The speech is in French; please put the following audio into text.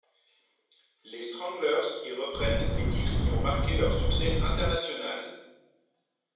Les Stranglers y reprennent les titres qui ont marqué leur succès international.